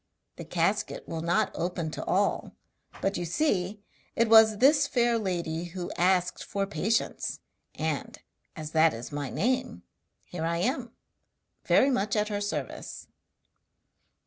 The casket will not open to all, but you see it was this fair lady who asked for patience, and, as that is my name, here I am, very much at her service.'